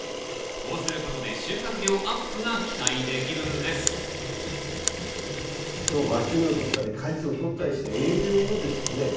こうすることで収穫量アップが期待できるんですそのわき芽を取ったり果実を取ったりして栄養をですね